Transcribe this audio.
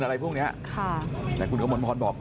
อะไรพวกเนี้ยค่ะแต่คุณกมลพรบอก